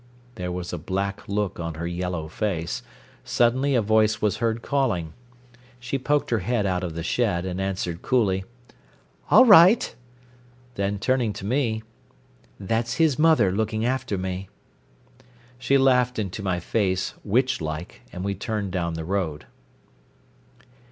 There was a black look on her yellow face. Suddenly a voice was heard calling. She poked her head out of the shed, and answered coolly: "All right!" Then, turning to me: "That's his mother looking after me." She laughed into my face, witch like, and we turned down the road.